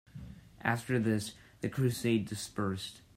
After this, the crusade dispersed.